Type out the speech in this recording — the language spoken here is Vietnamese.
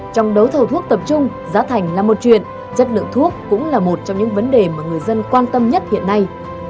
trong đấu thầu thuốc tập trung giá thành là một chuyện chất lượng thuốc cũng là một trong những vấn đề mà người dân quan tâm nhất hiện nay